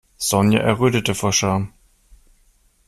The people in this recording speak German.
Sonja errötete vor Scham.